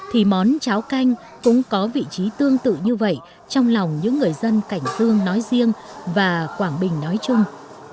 thì món cháo canh cũng có vị trí tương tự như vậy trong lòng những người dân cảnh dương nói riêng và quảng bình nói chung